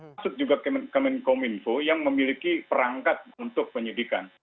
masuk juga ke kominfo yang memiliki perangkat untuk menyedihkan